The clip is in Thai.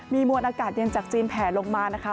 มีมวลอากาศเย็นจากจีนแผลลงมานะคะ